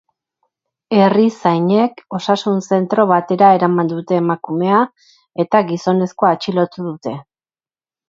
Herrizainek osasun-zentro batera eraman dute emakumea, eta gizonezkoa atxilotu dute.